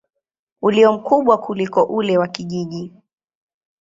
ulio mkubwa kuliko ule wa kijiji.